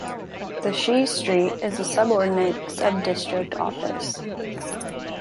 The Shi Street is a subordinate subdistrict office.